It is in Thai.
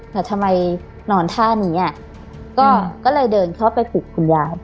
แต่ทำไมนอนท่านี้อ่ะก็เลยเดินเข้าไปปลุกคุณยาย